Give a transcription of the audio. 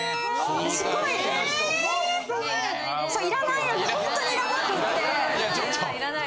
いらない。